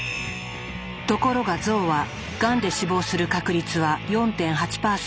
ところがゾウはがんで死亡する確率は４．８％。